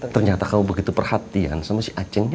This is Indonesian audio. ternyata kamu begitu perhatian sama si aceh